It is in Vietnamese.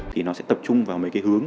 thì nó sẽ tập trung vào mấy cái hướng